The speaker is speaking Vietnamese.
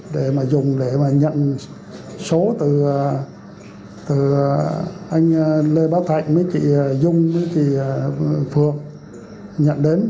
để mà dùng để mà nhận số từ anh lê báo thạnh với chị dung với chị phượng nhận đến